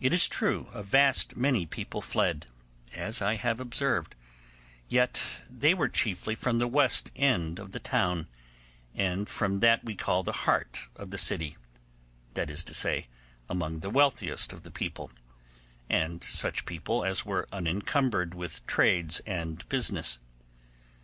It is true a vast many people fled, as I have observed, yet they were chiefly from the west end of the town, and from that we call the heart of the city: that is to say, among the wealthiest of the people, and such people as were unencumbered with trades and business.